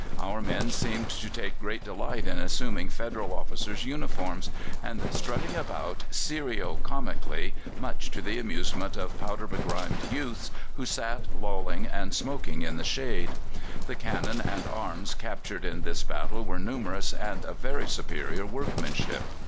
Our men seemed to take great delight in assuming Federal officers' uniforms, and strutted about serio comically, much to the amusement of powder begrimed youths who sat lolling and smoking in the shade. The cannon and arms captured in this battle were numerous and of very superior workmanship.